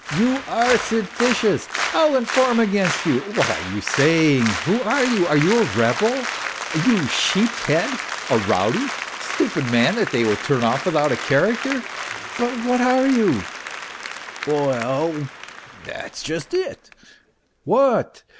" You are seditious ! I'll inform against you ! What are you saying ? Who are you ? Are you a rebel, you sheep's head ? A rowdy, stupid man they would turn off without a character. But what are you ?" 280 AIR. PROHARTC'HTN " WeU, that's just it." " What